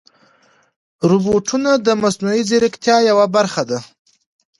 روبوټونه د مصنوعي ځیرکتیا یوه برخه ده.